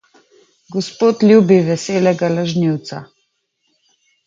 Gospod ljubi veselega lažnivca.